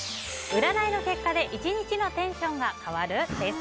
占いの結果で１日のテンションが変わる？です。